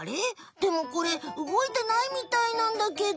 でもこれ動いてないみたいなんだけど。